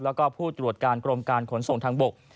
แล้วก็ผู้ตรวจการกรมการขนส่งทางบก